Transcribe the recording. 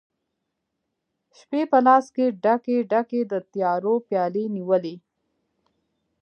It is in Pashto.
شپي په لاس کې ډکي، ډکي، د تیارو پیالې نیولي